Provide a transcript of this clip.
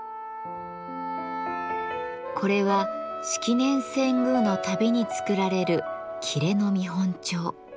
これは式年遷宮のたびに作られる裂の見本帳。